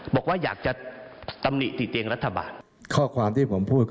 บอกว่าอยากจะตำหนิติเตียงรัฐบาล